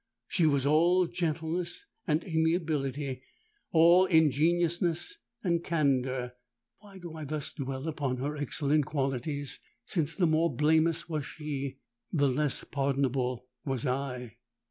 She was all gentleness and amiability—all ingenuousness and candour. But why do I thus dwell upon her excellent qualities—since the more blameless was she, the less pardonable was I!